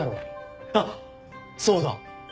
あっそうだ！